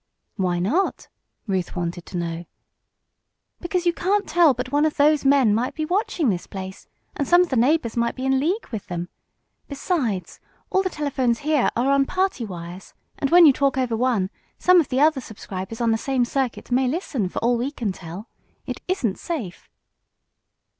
"Why not?" Ruth wanted to know. "Because you can't tell but one of those men may be watching this place, and some of the neighbors may be in league with them. Besides, all the telephones here are on party wires, and when you talk over one, some of the other subscribers on the same circuit may listen, for all we can tell. It isn't safe."